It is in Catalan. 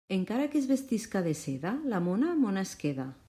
Encara que es vestisca de seda, la mona, mona es queda.